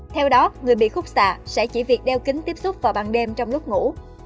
theo đó người bị khúc xạ sẽ chỉ việc đeo kính tiếp xúc vào ban đêm trong lúc ngủ